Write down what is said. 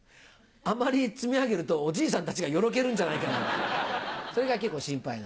あまり積み上げるとおじいさんたちがよろけるんじゃないかなってそれが結構心配なの。